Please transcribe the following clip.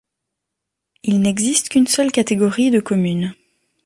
Il n’existe qu’une seule catégorie de commune.